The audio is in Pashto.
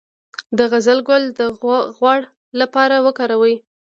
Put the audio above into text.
د زغر ګل د غوړ لپاره وکاروئ